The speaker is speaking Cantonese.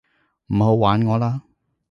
唔好玩我啦